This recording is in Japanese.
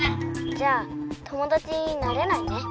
「じゃあ友だちになれないね。